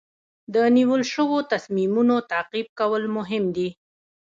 د نیول شوو تصمیمونو تعقیب کول مهم دي.